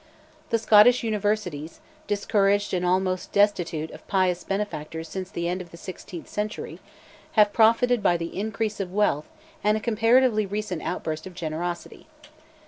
The Scottish universities, discouraged and almost destitute of pious benefactors since the end of the sixteenth century, have profited by the increase of wealth and a comparatively recent outburst of generosity.